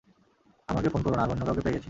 আমাকে ফোন করো না আমি অন্য কাউকে পেয়ে গেছি।